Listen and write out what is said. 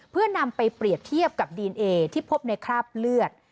เพื่อนำไปเปรียบเทียบกับดีเอนเอที่พบในคราบเลือด